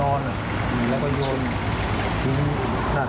ตำรวจเขาพาไปที่ห้องลงหมดแล้ว